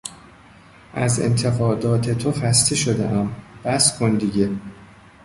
از انتقادات تو خسته شدهام، بس کن دیگه!